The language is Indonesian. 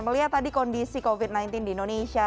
melihat tadi kondisi covid sembilan belas di indonesia